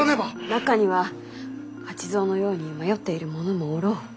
中には八蔵のように迷っている者もおろう。